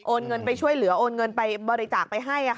เงินไปช่วยเหลือโอนเงินไปบริจาคไปให้